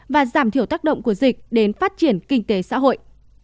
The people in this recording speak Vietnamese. và giảm thiểu tác động của dịch đến phát triển kinh tế xã hội